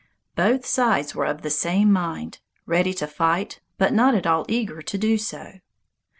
Both sides were of the same mind, ready to fight, but not at all eager to do so.